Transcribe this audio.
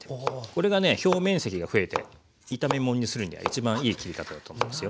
これがね表面積が増えて炒め物にするには一番いい切り方だと思いますよ。